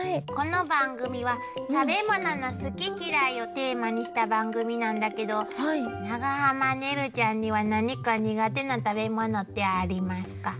この番組は食べ物の好き嫌いをテーマにした番組なんだけど長濱ねるちゃんには何か苦手な食べ物ってありますか？